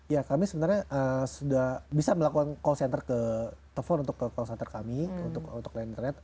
ya kami sebenarnya sudah bisa melakukan call center ke telepon untuk ke call center kami untuk land trade